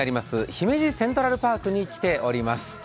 姫路セントラルパークに来ています。